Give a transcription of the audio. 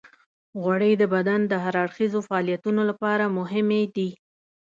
غوړې د بدن د هر اړخیزو فعالیتونو لپاره مهمې دي.